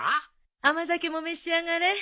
甘酒も召し上がれ。